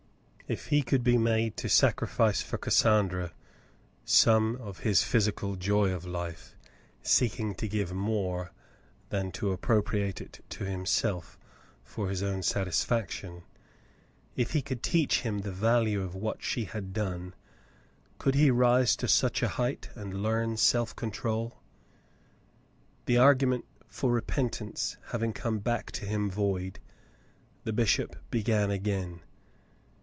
If he could be made to sacrifice for Cassandra some of his physical joy of life, seeking to give more than to appropriate to himself for his own satisfaction — if he could teach him the value of what she had done — could he rise to such a height, and learn self control ? The argument for repentance having come back to him void, the bishop began again.